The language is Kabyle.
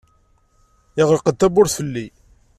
Yeɣleq-d tawwurt fell-i.